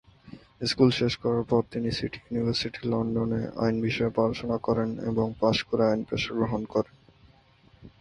School শেষ করার পর তিনি সিটি ইউনিভার্সিটি লন্ডনে আইন বিষয়ে পড়াশুনা করেন এবং পাশ করে আইন পেশা গ্রহণ করেন।